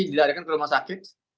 tidak ada kan ke rumah sakit